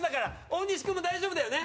大西君も大丈夫だよね？